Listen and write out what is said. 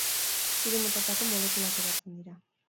Hiru motatako molekulak eratzen dira.